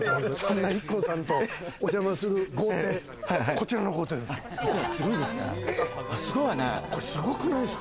ＩＫＫＯさんとお邪魔する豪邸、こちらの豪邸でございます。